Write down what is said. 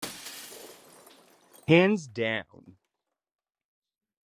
Hands down.